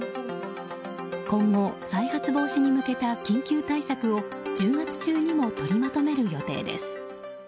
今後、再発防止に向けた緊急対策を１０月中にも取りまとめる予定です。